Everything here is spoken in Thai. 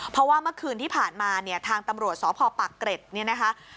เพราะว่าเมื่อคืนที่ผ่านมาเนี่ยทางตำรวจสพปากเกร็ดเนี่ยนะคะ